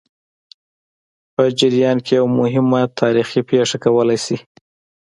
په جریان کې یوه مهمه تاریخي پېښه کولای شي.